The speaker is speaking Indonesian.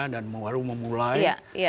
dan baru memulai